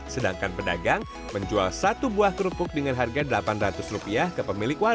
sedangkan pedagang menjual satu buah kerupuk dengan harga rp delapan ratus